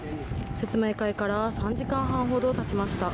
説明会から３時間半ほど経ちました。